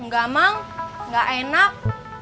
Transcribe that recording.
enggak mang gak enak